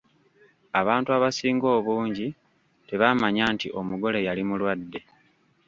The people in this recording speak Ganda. Abantu abasinga obungi tebaamanya nti omugole yali mulwadde!